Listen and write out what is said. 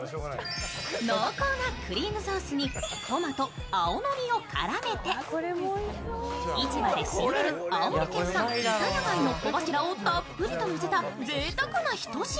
濃厚なクリームソースにトマト、青のりを絡めて市場で仕入れる青森県産イタヤ貝の小柱をたっぷりとのせたぜいたくなひと品。